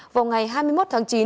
vào ngày hai mươi một tháng chín